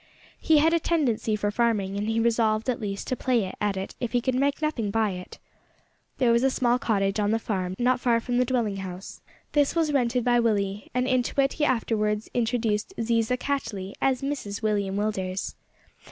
He had a tendency for farming, and he resolved at least to play at it if he could make nothing by it. There was a small cottage on the farm, not far from the dwelling house. This was rented by Willie, and into it he afterwards introduced Ziza Cattley as Mrs William Willders.